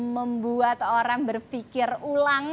membuat orang berpikir ulang